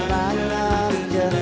rapat dengan ku